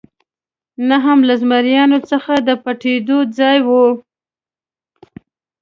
نه هم له زمریانو څخه د پټېدو ځای و.